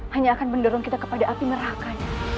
hanya akan mendorong kita kepada api meraka